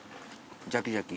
ジャキジャキ。